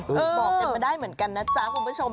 บอกกันมาได้เหมือนกันนะจ๊ะคุณผู้ชม